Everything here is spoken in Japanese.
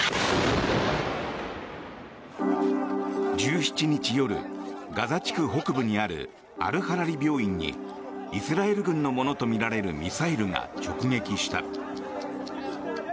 １７日夜、ガザ地区北部にあるアルアハリ病院にイスラエル軍のものとみられるミサイルが直撃した。